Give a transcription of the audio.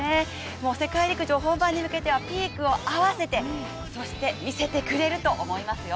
もう世界陸上本番に向けてはピークを合わせて、そして見せてくれると思いますよ。